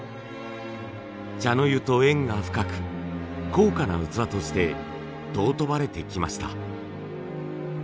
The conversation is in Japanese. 茶の湯と縁が深く高価な器として尊ばれてきました。